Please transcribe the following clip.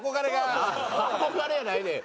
憧れやないねん！